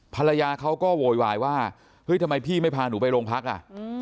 ภรรยาเขาก็โวยวายว่าเฮ้ยทำไมพี่ไม่พาหนูไปโรงพักอ่ะ